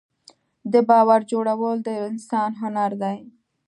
د باور جوړول د انسان هنر دی.